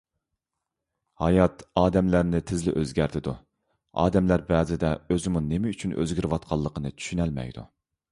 ھايات ئادەملەرنى تېزلا ئۆزگەرتىدۇ، ئادەملەر بەزىدە ئۆزىمۇ نېمە ئۈچۈن ئۆزگىرىۋاتقانلىقىنى چۈشىنەلمەيدۇ.